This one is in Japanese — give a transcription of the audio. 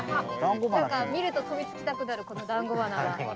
何か見ると飛びつきたくなるこのだんご鼻が。